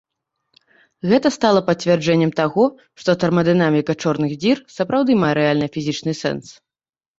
Гэта стала пацвярджэннем таго, што тэрмадынаміка чорных дзір сапраўды мае рэальны фізічны сэнс.